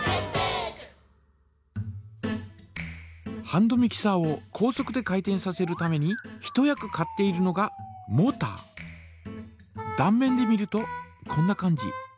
ハンドミキサーを高速で回転させるために一役買っているのがだん面で見るとこんな感じ。